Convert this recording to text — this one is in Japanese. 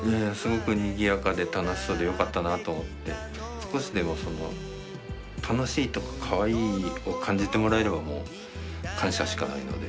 少しでも楽しいとかカワイイを感じてもらえれば感謝しかないので。